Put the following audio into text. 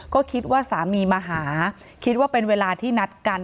ก็คิดว่าสามีมาหาคิดว่าเป็นเวลาที่นัดกัน